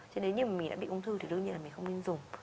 cho nên nếu như mình đã bị ung thư thì đương nhiên là mình không nên dùng